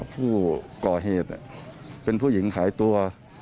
ผู้ก่อเหตุเป็นผู้หญิงขายตัว